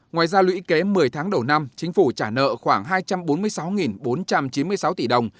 ngoài ra lũy kế một mươi tháng đầu năm chính phủ trả nợ khoảng hai trăm bốn mươi sáu bốn trăm chín mươi sáu tỷ đồng